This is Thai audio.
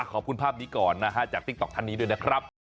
ขอบคุณภาพนี้ก่อนนะฮะจากติ๊กต๊อกท่านนี้ด้วยนะครับ